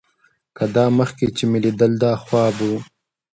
که دا مخکې چې مې ليدل دا خوب و.